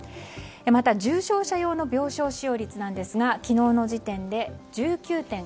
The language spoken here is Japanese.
また重症者用の病床使用率ですが昨日の時点で１９．８％。